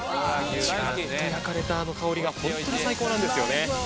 ジュワッと焼かれたあの香りがホントに最高なんですよね。